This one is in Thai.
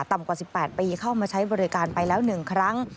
กว่า๑๘ปีเข้ามาใช้บริการไปแล้ว๑ครั้ง